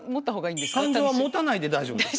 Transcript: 感情はもたないで大丈夫です。